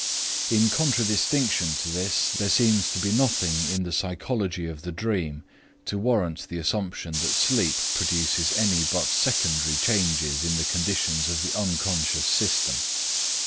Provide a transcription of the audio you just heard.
In contradistinction to this, there seems to be nothing in the psychology of the dream to warrant the assumption that sleep produces any but secondary changes in the conditions of the Unc. system.